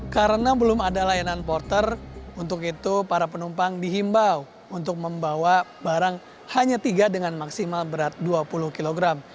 karena belum ada layanan porter untuk itu para penumpang dihimbau untuk membawa barang hanya tiga dengan maksimal berat dua puluh kg